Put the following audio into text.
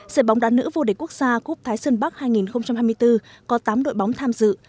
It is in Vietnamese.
giải bóng đá nữ vô địch quốc gia cúp thái sơn bắc hai nghìn hai mươi bốn có tám đội bóng tham dự